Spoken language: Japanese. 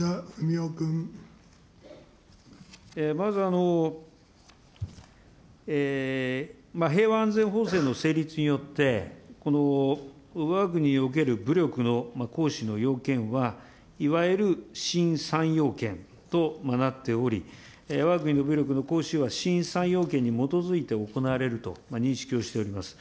まず、平和安全法制の成立によって、このわが国における武力の行使の要件は、いわゆる新３要件となっており、わが国の武力の行使は新３要件に基づいて行われると認識をしております。